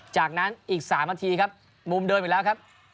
จากนั้นอีก๓นาทีครับมุมเดิมอีกแล้วครับ